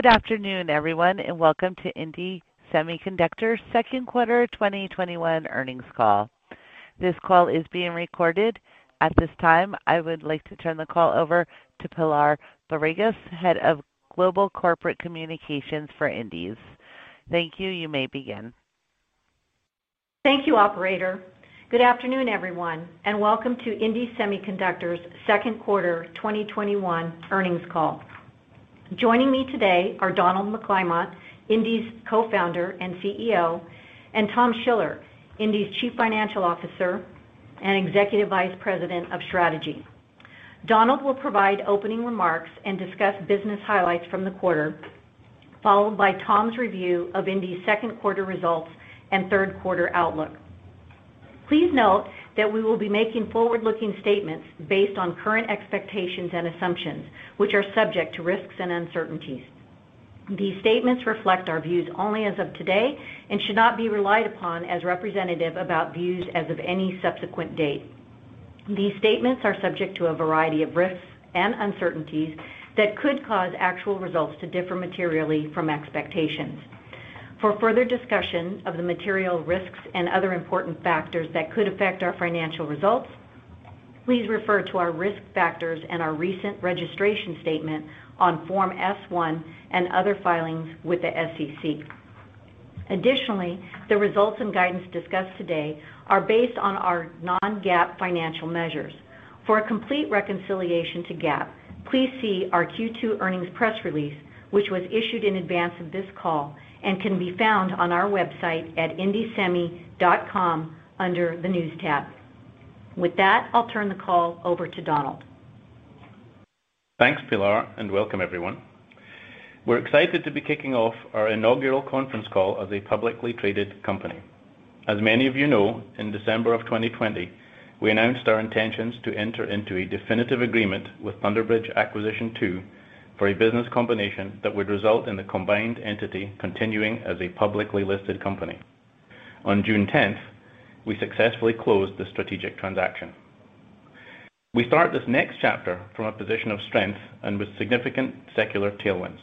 Good afternoon, everyone, and welcome to indie Semiconductor Second Quarter 2021 Earnings Call. This call is being recorded. At this time, I would like to turn the call over to Pilar Barrigas, Head of Global Corporate Communications for indie. Thank you. You may begin. Thank you, operator. Good afternoon, everyone, and welcome to indie Semiconductor's second quarter 2021 earnings call. Joining me today are Donald McClymont, indie's Co-founder and CEO, and Tom Schiller, indie's Chief Financial Officer and Executive Vice President of Strategy. Donald will provide opening remarks and discuss business highlights from the quarter, followed by Tom's review of indie's second quarter results and third quarter outlook. Please note that we will be making forward-looking statements based on current expectations and assumptions, which are subject to risks and uncertainties. These statements reflect our views only as of today and should not be relied upon as representative about views as of any subsequent date. These statements are subject to a variety of risks and uncertainties that could cause actual results to differ materially from expectations. For further discussion of the material risks and other important factors that could affect our financial results, please refer to our risk factors and our recent registration statement on Form S-1 and other filings with the SEC. Additionally, the results and guidance discussed today are based on our non-GAAP financial measures. For a complete reconciliation to GAAP, please see our Q2 earnings press release, which was issued in advance of this call and can be found on our website at indiesemi.com under the News tab. With that, I'll turn the call over to Donald. Thanks, Pilar, and welcome everyone. We're excited to be kicking off our inaugural conference call as a publicly traded company. As many of you know, in December of 2020, we announced our intentions to enter into a definitive agreement with Thunder Bridge Acquisition II for a business combination that would result in the combined entity continuing as a publicly listed company. On June 10th, we successfully closed the strategic transaction. We start this next chapter from a position of strength and with significant secular tailwinds.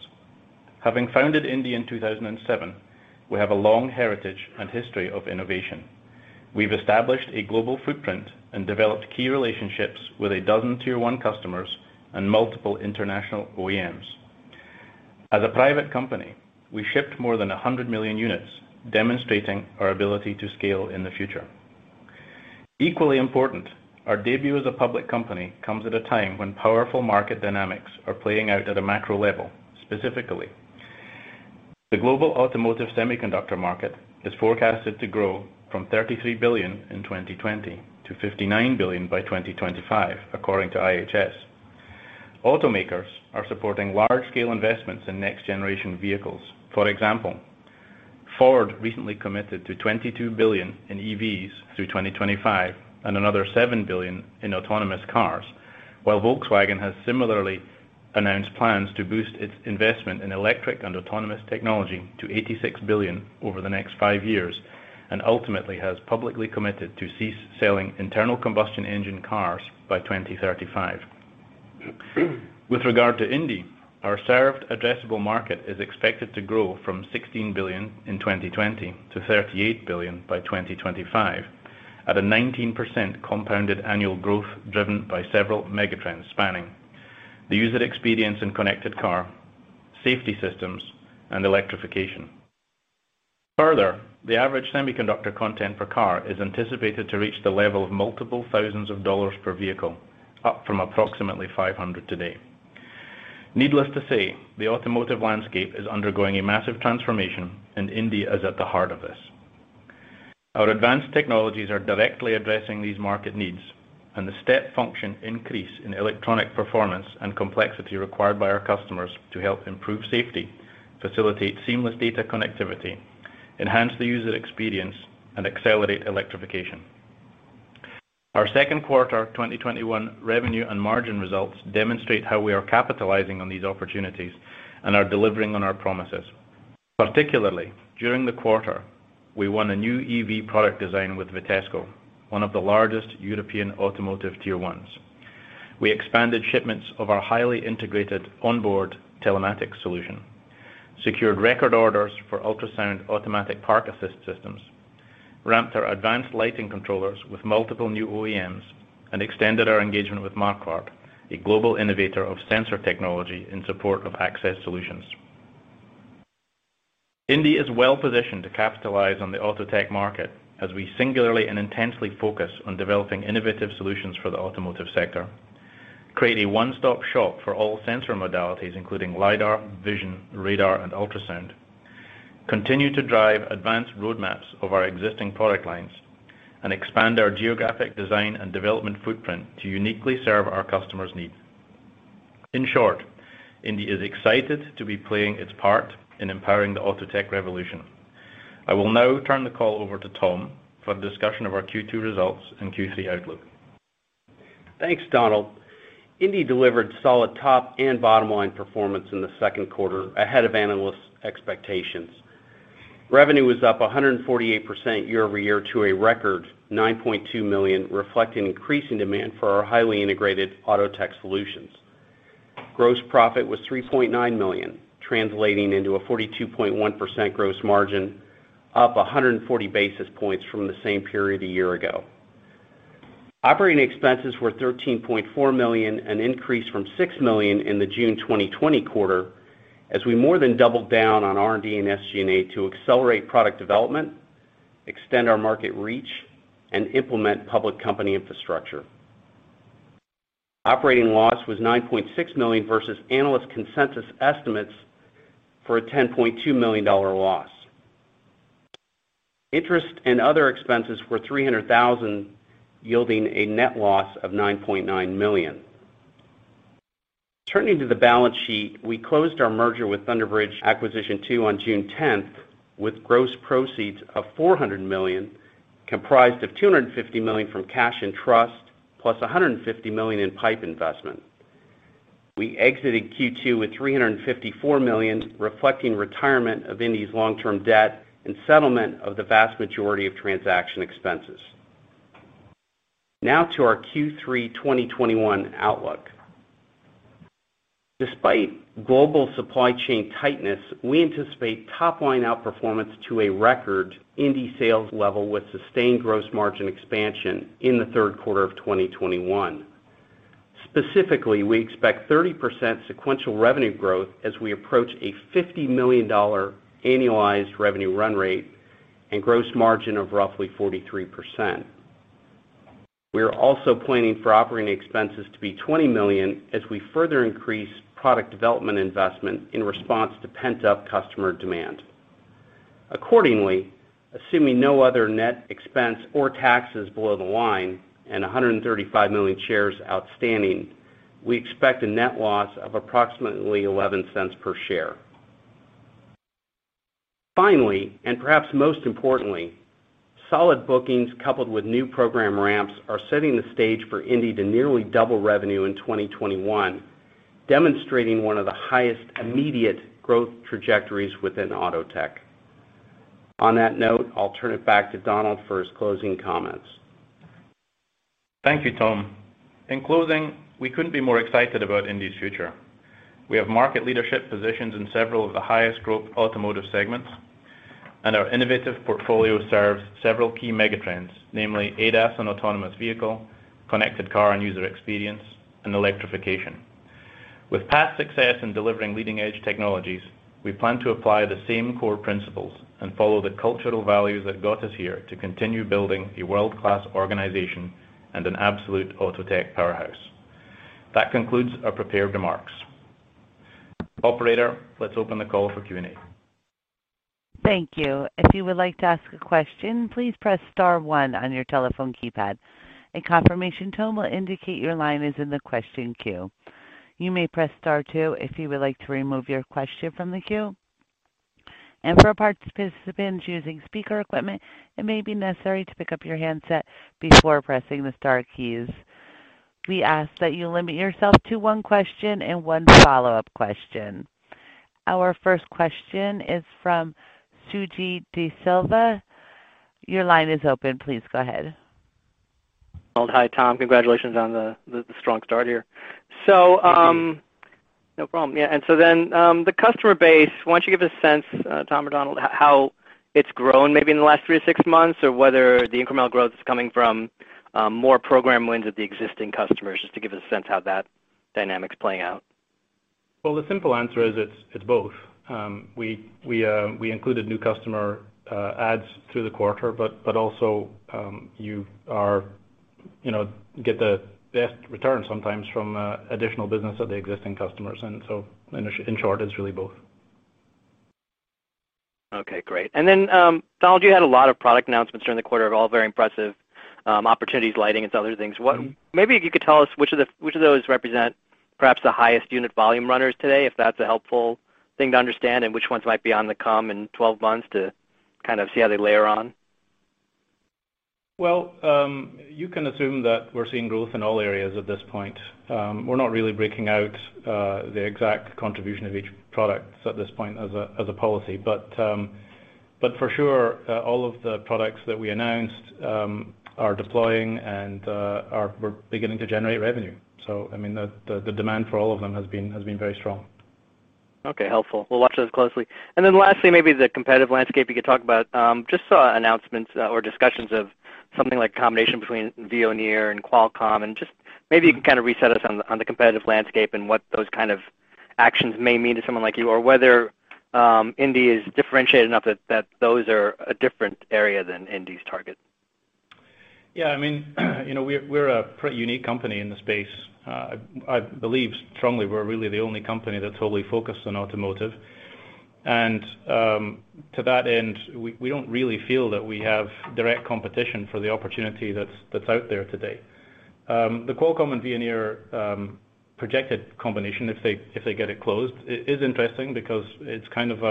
Having founded indie in 2007, we have a long heritage and history of innovation. We've established a global footprint and developed key relationships with 12 Tier 1 customers and multiple international OEMs. As a private company, we shipped more than 100 million units, demonstrating our ability to scale in the future. Equally important, our debut as a public company comes at a time when powerful market dynamics are playing out at a macro level. Specifically, the global automotive semiconductor market is forecasted to grow from $33 billion in 2020 to $59 billion by 2025, according to IHS. Automakers are supporting large-scale investments in next generation vehicles. For example, Ford recently committed to $22 billion in EVs through 2025 and another $7 billion in autonomous cars, while Volkswagen has similarly announced plans to boost its investment in electric and autonomous technology to $86 billion over the next five years and ultimately has publicly committed to cease selling internal combustion engine cars by 2035. With regard to indie, our served addressable market is expected to grow from $16 billion in 2020 to $38 billion by 2025 at a 19% compounded annual growth driven by several megatrends spanning the user experience in connected car, safety systems, and electrification. Further, the average semiconductor content per car is anticipated to reach the level of multiple thousands of dollars per vehicle, up from approximately $500 today. Needless to say, the automotive landscape is undergoing a massive transformation, and indie is at the heart of this. Our advanced technologies are directly addressing these market needs, and the step function increase in electronic performance and complexity required by our customers to help improve safety, facilitate seamless data connectivity, enhance the user experience, and accelerate electrification. Our second quarter 2021 revenue and margin results demonstrate how we are capitalizing on these opportunities and are delivering on our promises. Particularly, during the quarter, we won a new EV product design with Vitesco, one of the largest European automotive Tier 1s. We expanded shipments of our highly integrated onboard telematics solution, secured record orders for ultrasound automatic park assist systems, ramped our advanced lighting controllers with multiple new OEMs, and extended our engagement with Marquardt, a global innovator of sensor technology in support of access solutions. indie is well positioned to capitalize on the auto tech market as we singularly and intensely focus on developing innovative solutions for the automotive sector, create a one-stop shop for all sensor modalities, including lidar, vision, radar, and ultrasound, continue to drive advanced roadmaps of our existing product lines, and expand our geographic design and development footprint to uniquely serve our customers' needs. In short, indie is excited to be playing its part in empowering the auto tech revolution. I will now turn the call over to Tom for a discussion of our Q2 results and Q3 outlook. Thanks, Donald. indie delivered solid top and bottom line performance in the second quarter ahead of analysts' expectations. Revenue was up 148% year-over-year to a record $9.2 million, reflecting increasing demand for our highly integrated auto tech solutions. Gross profit was $3.9 million, translating into a 42.1% gross margin, up 140 basis points from the same period a year ago. Operating expenses were $13.4 million, an increase from $6 million in the June 2020 quarter, as we more than doubled down on R&D and SG&A to accelerate product development, extend our market reach, and implement public company infrastructure. Operating loss was $9.6 million versus analyst consensus estimates for a $10.2 million loss. Interest and other expenses were $300,000, yielding a net loss of $9.9 million. Turning to the balance sheet, we closed our merger with Thunder Bridge Acquisition II on June 10th, with gross proceeds of $400 million, comprised of $250 million from cash in trust, plus $150 million in PIPE investment. We exited Q2 with $354 million, reflecting retirement of indie's long-term debt and settlement of the vast majority of transaction expenses. Now to our Q3 2021 outlook. Despite global supply chain tightness, we anticipate top-line outperformance to a record indie sales level with sustained gross margin expansion in the third quarter of 2021. Specifically, we expect 30% sequential revenue growth as we approach a $50 million annualized revenue run rate and gross margin of roughly 43%. We are also planning for operating expenses to be $20 million as we further increase product development investment in response to pent-up customer demand. Accordingly, assuming no other net expense or taxes below the line and 135 million shares outstanding, we expect a net loss of approximately $0.11 per share. Finally, and perhaps most importantly, solid bookings coupled with new program ramps are setting the stage for Indie to nearly double revenue in 2021, demonstrating 1 of the highest immediate growth trajectories within auto tech. On that note, I'll turn it back to Donald for his closing comments. Thank you, Tom. In closing, we couldn't be more excited about indie's future. We have market leadership positions in several of the highest-growth automotive segments, and our innovative portfolio serves several key megatrends, namely ADAS and autonomous vehicle, connected car and user experience, and electrification. With past success in delivering leading-edge technologies, we plan to apply the same core principles and follow the cultural values that got us here to continue building a world-class organization and an absolute auto tech powerhouse. That concludes our prepared remarks. Operator, let's open the call for Q&A. Thank you. We ask that you limit yourself to 1 question and 1 follow-up question. Our first question is from Suji Desilva. Your line is open. Please go ahead. Donald, hi. Tom, congratulations on the strong start here. Thank you. No problem. Yeah. The customer base, why don't you give a sense, Tom or Donald, how it's grown maybe in the last 3 to 6 months, or whether the incremental growth is coming from more program wins with the existing customers, just to give us a sense how that dynamic's playing out? Well, the simple answer is it's both. We included new customer adds through the quarter, but also, you get the best return sometimes from additional business of the existing customers. In short, it's really both. Okay, great. Donald, you had a lot of product announcements during the quarter, all very impressive, opportunities, lighting, and some other things. Maybe you could tell us which of those represent perhaps the highest unit volume runners today, if that's a helpful thing to understand, and which ones might be on the come in 12 months to kind of see how they layer on? Well, you can assume that we're seeing growth in all areas at this point. We're not really breaking out the exact contribution of each product at this point as a policy. For sure all of the products that we announced are deploying and are beginning to generate revenue. I mean, the demand for all of them has been very strong. Okay, helpful. We'll watch those closely. Lastly, maybe the competitive landscape you could talk about. Just saw announcements or discussions of something like a combination between Veoneer and Qualcomm. Maybe you can kind of reset us on the competitive landscape and what those kind of actions may mean to someone like you, or whether indie is differentiated enough that those are a different area than indie's target. Yeah. I mean, we're a pretty unique company in the space. I believe strongly we're really the only company that's wholly focused on automotive. To that end, we don't really feel that we have direct competition for the opportunity that's out there today. The Qualcomm and Veoneer projected combination, if they get it closed, is interesting because it's kind of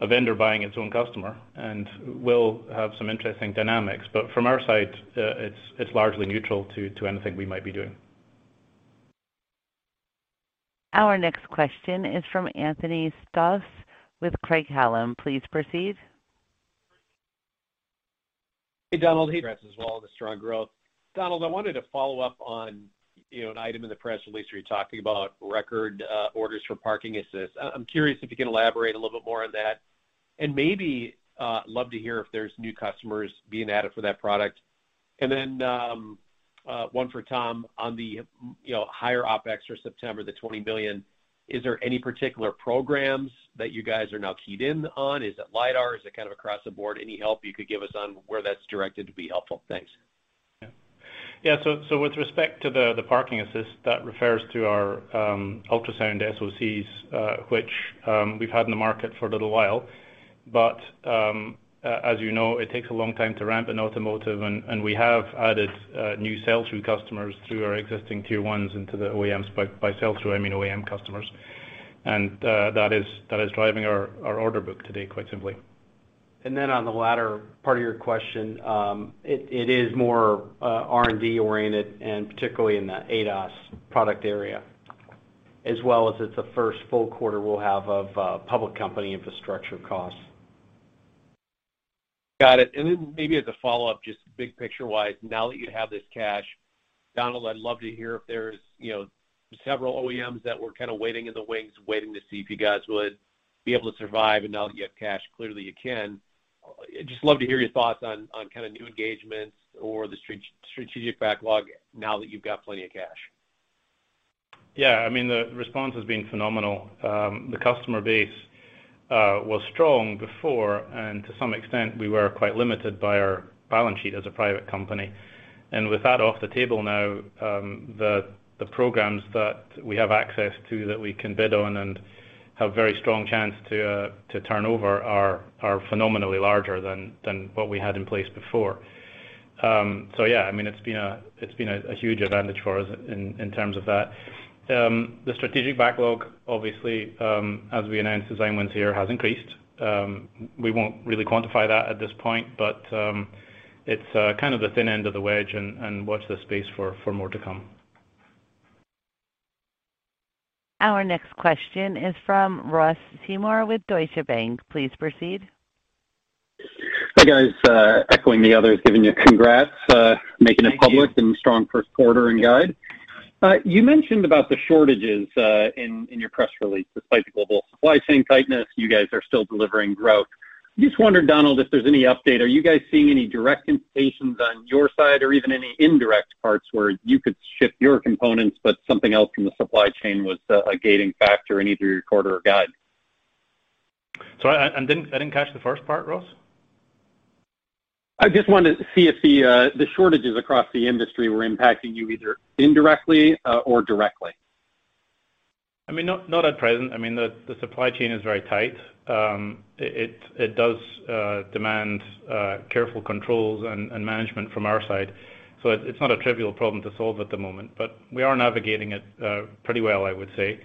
a vendor buying its own customer and will have some interesting dynamics. From our side, it's largely neutral to anything we might be doing. Our next question is from Anthony Stoss with Craig-Hallum. Please proceed. Hey, Donald. Congrats as well on the strong growth. Donald, I wanted to follow up on an item in the press release where you're talking about record orders for parking assist. I'm curious if you can elaborate a little bit more on that, and maybe love to hear if there's new customers being added for that product. One for Tom on the higher OpEx for September, the $20 million. Is there any particular programs that you guys are now keyed in on? Is it LIDAR? Is it kind of across the board? Any help you could give us on where that's directed would be helpful. Thanks. With respect to the parking assist, that refers to our ultrasound SOCs, which we've had in the market for a little while. As you know, it takes a long time to ramp in automotive, and we have added new sell-through customers through our existing Tier 1s into the OEMs. By sell-through, I mean OEM customers. That is driving our order book today, quite simply. On the latter part of your question, it is more R&D oriented, and particularly in the ADAS product area, as well as it's the first full quarter we'll have of public company infrastructure costs. Got it. Then maybe as a follow-up, just big picture-wise, now that you have this cash, Donald, I'd love to hear if there's several OEMs that were kind of waiting in the wings waiting to see if you guys would be able to survive. Now that you have cash, clearly you can. Just love to hear your thoughts on kind of new engagements or the strategic backlog now that you've got plenty of cash. The response has been phenomenal. The customer base was strong before, and to some extent, we were quite limited by our balance sheet as a private company. With that off the table now, the programs that we have access to that we can bid on and have very strong chance to turn over are phenomenally larger than what we had in place before. It's been a huge advantage for us in terms of that. The strategic backlog, obviously, as we announced design wins here, has increased. We won't really quantify that at this point, but it's kind of the thin end of the wedge and watch this space for more to come. Our next question is from Ross Seymore with Deutsche Bank. Please proceed. Hi, guys. Echoing the others. Thank you. Making it public and strong first quarter and guide. You mentioned about the shortages in your press release. Despite the global supply chain tightness, you guys are still delivering growth. Just wondered, Donald, if there's any update. Are you guys seeing any direct implications on your side or even any indirect parts where you could ship your components, but something else from the supply chain was a gating factor in either your quarter or guide? I didn't catch the first part, Ross. I just wanted to see if the shortages across the industry were impacting you either indirectly or directly. Not at present. The supply chain is very tight. It does demand careful controls and management from our side, so it's not a trivial problem to solve at the moment. We are navigating it pretty well, I would say.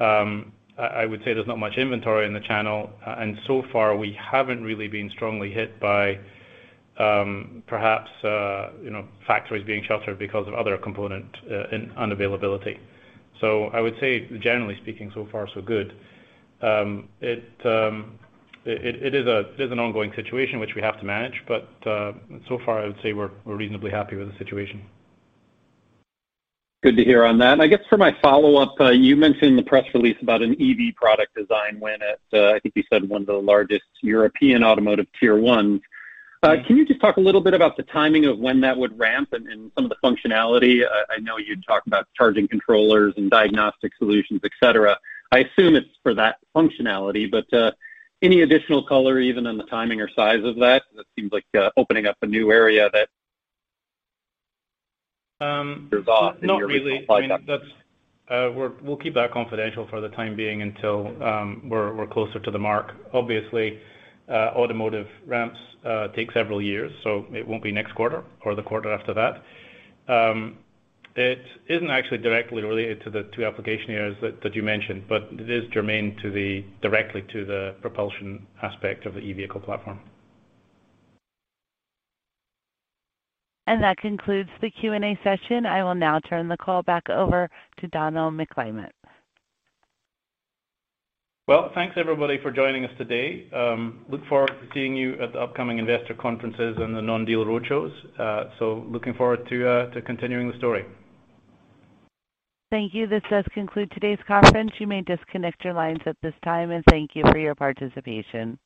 I would say there's not much inventory in the channel, and so far we haven't really been strongly hit by perhaps factories being shuttered because of other component unavailability. I would say, generally speaking, so far so good. It is an ongoing situation which we have to manage, but so far I would say we're reasonably happy with the situation. Good to hear on that. I guess for my follow-up, you mentioned in the press release about an EV product design win at, I think you said, one of the largest European automotive tier ones. Can you just talk a little bit about the timing of when that would ramp and some of the functionality? I know you talked about charging controllers and diagnostic solutions, et cetera. I assume it's for that functionality, but any additional color even on the timing or size of that? Not really. We'll keep that confidential for the time being until we're closer to the mark. Obviously, automotive ramps take several years, so it won't be next quarter or the quarter after that. It isn't actually directly related to the 2 application areas that you mentioned, but it is germane directly to the propulsion aspect of the e-vehicle platform. That concludes the Q&A session. I will now turn the call back over to Donald McClymont. Well, thanks everybody for joining us today. Look forward to seeing you at the upcoming investor conferences and the non-deal roadshows. Looking forward to continuing the story. Thank you. This does conclude today's conference. You may disconnect your lines at this time, and thank you for your participation.